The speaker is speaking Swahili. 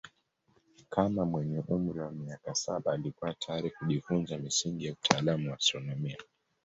Kama mwenye umri wa miaka saba alikuwa tayari kujifunza misingi ya utaalamu wa astronomia.